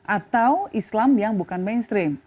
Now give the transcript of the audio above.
atau islam yang bukan mainstream